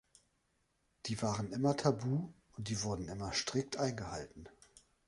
Die waren immer tabu, und die wurden immer strikt eingehalten.